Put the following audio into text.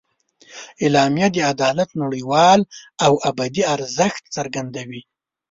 اعلامیه د عدالت نړیوال او ابدي ارزښت څرګندوي.